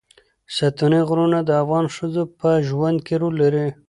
ستوني غرونه د افغان ښځو په ژوند کې رول لري.